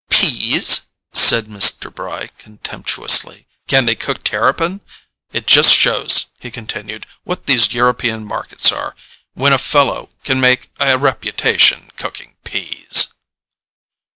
"PEAS?" said Mr. Bry contemptuously. "Can they cook terrapin? It just shows," he continued, "what these European markets are, when a fellow can make a reputation cooking peas!"